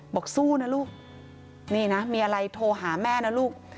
บอกสู้นะลูกนี่นะมีอะไรโทรหาแม่นะลูก